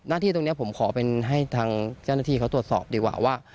ที่ตรงนี้ผมขอเป็นให้ทางเจ้าหน้าที่เขาตรวจสอบดีกว่าว่า